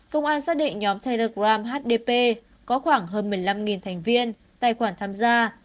công an xác định nhóm telegram hdp có khoảng hơn một mươi năm thành viên tài khoản tham gia